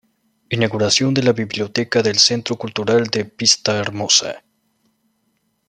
Inauguración de la Biblioteca del Centro Cultural de Vistahermosa.